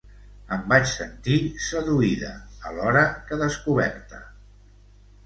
Em vaig sentir seduïda, alhora que descoberta.